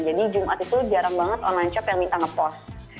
jadi jumat itu jarang banget online shop yang minta ngepost